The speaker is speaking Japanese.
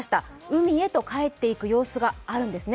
海へと帰っていく様子があるんです。